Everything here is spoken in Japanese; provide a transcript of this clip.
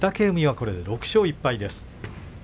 これで６勝１敗です。